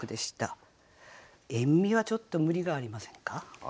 「塩味」はちょっと無理がありませんか？